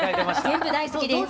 全部大好きです。